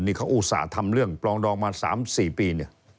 นี่เขาอุตส่าห์ทำเรื่องปลองดองมา๓๔ปีเนี่ย